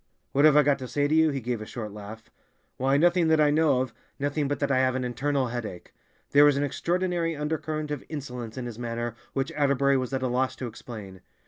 "What have I got to say to you?" He gave a short laugh. "Why, nothing that I know of—nothing but that I have an internal headache." There was an extraordinary undercurrent of insolence in his manner which Atterbury was at a loss to explain.